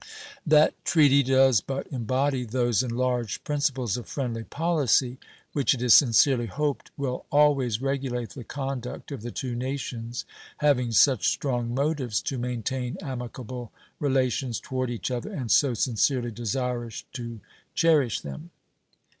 That treaty does but embody those enlarged principles of friendly policy which it is sincerely hoped will always regulate the conduct of the two nations having such strong motives to maintain amicable relations toward each other and so sincerely desirous to cherish them.